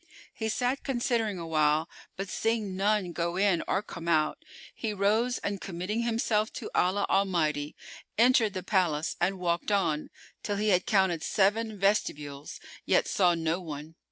He sat considering awhile, but, seeing none go in or come out, he rose and committing himself to Allah Almighty entered the palace and walked on, till he had counted seven vestibules; yet saw no one.